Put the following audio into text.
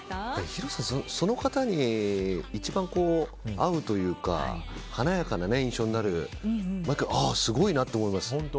ヒロさんはその方に一番、合うというか華やかな印象になってすごいなって思います。